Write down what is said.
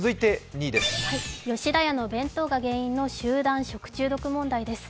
吉田屋の弁当が原因の集団食中毒問題です。